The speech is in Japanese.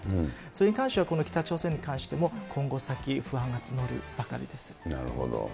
それに関しては、この北朝鮮に関しても、今後先、不安が募るばかなるほど。